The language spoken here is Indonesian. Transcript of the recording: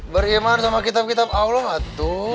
beriman sama kitab kitab allah tuh